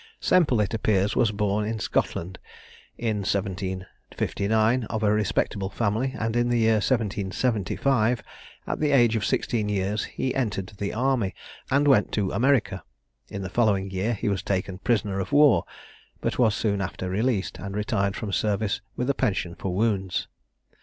Semple, it appears, was born in Scotland in 1759, of a respectable family; and in the year 1775, at the age of sixteen years, he entered the army, and went to America. In the following year he was taken prisoner of war, but was soon after released, and retired from service with a pension for wounds.